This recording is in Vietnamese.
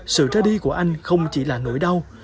sự ra đi của anh không chỉ là nỗi đau